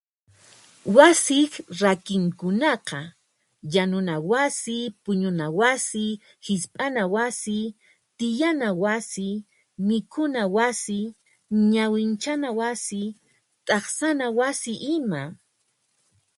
wasiq rakinkunaqa , yanuna wasi, puñuna wasi, hisp'ana wasi, tiyana wasi, mukhuna wasi, ñawinchana wasi, taqsan wasi ima.